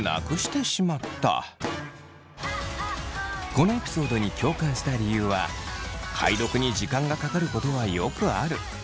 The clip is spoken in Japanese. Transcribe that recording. このエピソードに共感した理由は解読に時間がかかることはよくある。